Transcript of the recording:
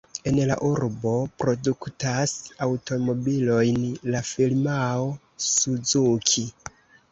En la urbo produktas aŭtomobilojn la firmao Suzuki.